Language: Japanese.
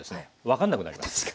分かんなくなります。